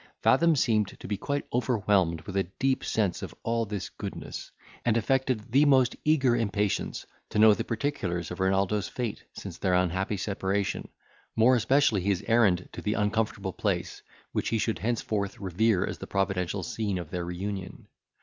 Fathom seemed to be quite overwhelmed with a deep sense of all this goodness, and affected the most eager impatience to know the particulars of Renaldo's fate, since their unhappy separation, more especially his errand to this uncomfortable place, which he should henceforth revere as the providential scene of their reunion.